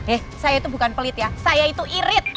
eh saya itu bukan pelit ya saya itu irit